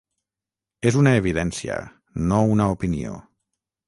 És una evidència, no una opinió.